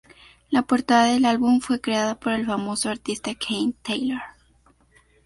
La portada del álbum fue creada por el famoso artista Ken Taylor.